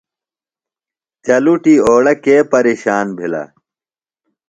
چلٹُی اوڑہ کےۡ پریشان بھِلہ؟